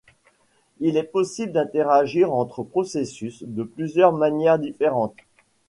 Il est possible d’interagir entre processus de plusieurs manières différentes.